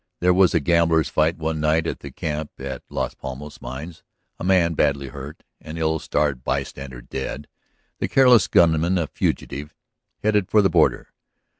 There was a gamblers' fight one night at the camp at Las Palmas mines, a man badly hurt, an ill starred bystander dead, the careless gunman a fugitive, headed for the border.